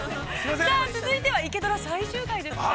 ◆じゃあ続いては「イケドラ」最終回ですね。